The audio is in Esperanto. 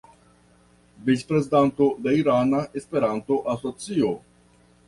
Vicprezidanto de Irana Esperanto-Asocio.